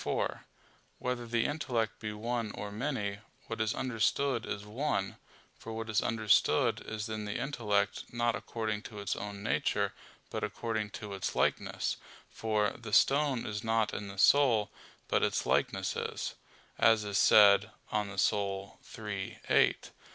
4: Whether the intellect be one or many, what is understood is one; for what is understood is in the intellect, not according to its own nature, but according to its likeness; for "the stone is not in the soul, but its likeness is," as is said, De Anima iii, 8.